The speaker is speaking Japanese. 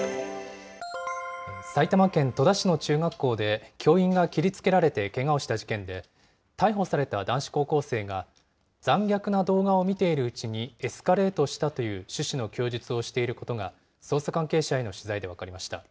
埼玉県戸田市の中学校で、教員が切りつけられてけがをした事件で、逮捕された男子高校生が、残虐な動画を見ているうちにエスカレートしたという趣旨の供述をしていることが、捜査関係者への取材で分かりました。